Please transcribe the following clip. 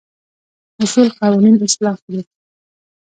اصول قوانين اصلاح کړو.